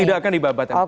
tidak akan dibabat habis